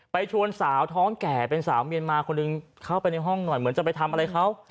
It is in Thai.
ชวนสาวท้องแก่เป็นสาวเมียนมาคนหนึ่งเข้าไปในห้องหน่อยเหมือนจะไปทำอะไรเขา